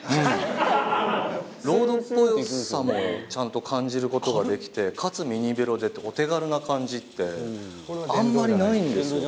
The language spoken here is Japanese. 痛いもちゃんと感じることができてかつミニベロでお手軽な感じってあんまりないんですよ